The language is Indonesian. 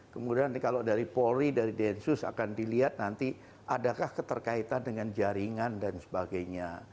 kemudian kalau dari polri dari densus akan dilihat nanti adakah keterkaitan dengan jaringan dan sebagainya